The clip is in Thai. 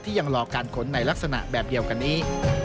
ยังรอการขนในลักษณะแบบเดียวกันนี้